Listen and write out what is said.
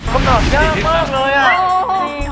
คำถามเยอะมากเลย